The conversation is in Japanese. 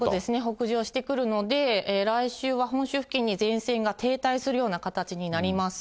北上してくるので、来週は本州付近に前線が停滞するような形になります。